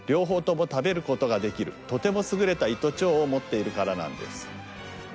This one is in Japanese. ほうとも食べることができるとてもすぐれた胃と腸をもっているからなんです。